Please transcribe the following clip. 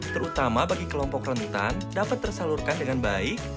terutama bagi kelompok rentan dapat tersalurkan dengan baik